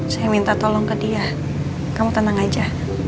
saya minta tolong ke dia kamu tenang aja